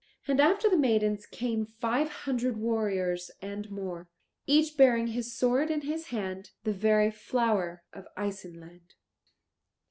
And after the maidens came five hundred warriors and more, each bearing his sword in his hand, the very flower of Isenland.